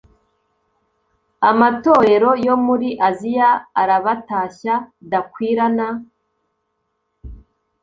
amatorero yo muri aziya arabatashya d akwila na